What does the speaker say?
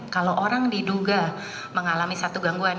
kalau orang diduga mengalami satu gangguan